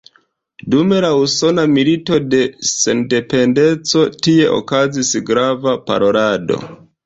Dum la Usona Milito de Sendependeco tie okazis grava parolado.